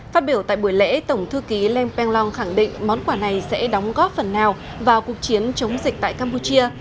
phát biểu tại buổi lễ tổng thư ký lê peng long khẳng định món quà này sẽ đóng góp phần nào vào cuộc chiến chống dịch tại campuchia